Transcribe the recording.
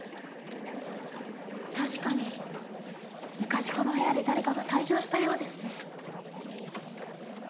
確かに昔この部屋で誰かが退場したようですね。